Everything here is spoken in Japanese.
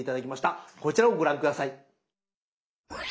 こちらをご覧下さい。